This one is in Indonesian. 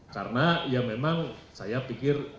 karena ya memang saya pikir